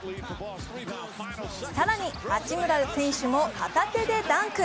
更に、八村選手も片手でダンク。